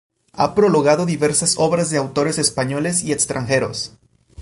Ha prologado diversas obras de autores españoles y extranjeros.